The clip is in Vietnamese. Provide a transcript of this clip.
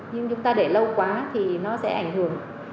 nhưng chúng ta để lâu quá thì nó sẽ ảnh hưởng